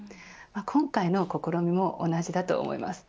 今回の試みも同じだと思います。